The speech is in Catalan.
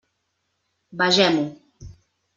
Vegem-ho.